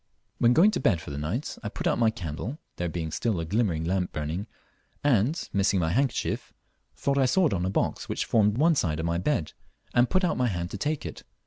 When going to bed for the night, I put out my candle, there being still a glimmering lamp burning, and, missing my handkerchief, thought I saw it on a box which formed one side of my bed, and put out my hand to take it.